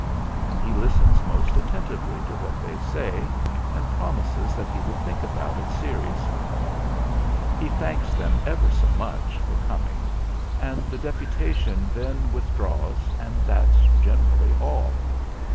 And he listens most attentively to what they say and promises that he will think about it seriously. He thanks them ever so much for coming; and the deputation then withdraws and that's generally all."